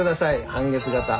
半月型。